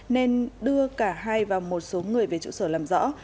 nên đưa cả hai và một số người về trụ sở làm rõ